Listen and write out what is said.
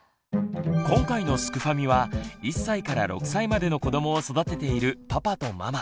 今回のすくファミは１歳から６歳までの子どもを育てているパパとママ。